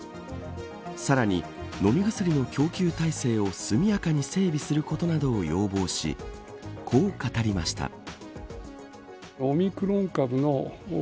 さらに、飲み薬の供給体制を速やかに整備することなどを要望しこう語りました。